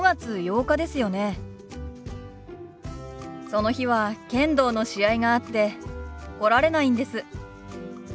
その日は剣道の試合があって来られないんです。